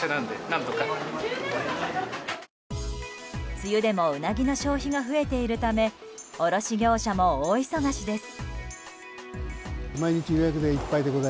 梅雨でもウナギの消費が増えているため卸業者も大忙しです。